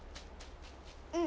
うん。